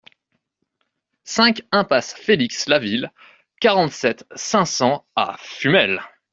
cinq impasse Félix Laville, quarante-sept, cinq cents à Fumel